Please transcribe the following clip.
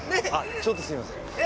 あっちょっとすみません。